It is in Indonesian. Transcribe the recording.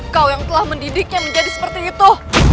kau yang telah mendidiknya menjadi seperti itu